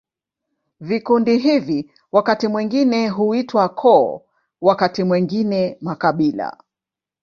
Vikundi hivi wakati mwingine huitwa koo, wakati mwingine makabila.